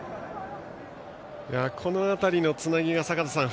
この辺りのつなぎが、坂田さん